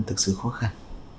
thực sự khó khăn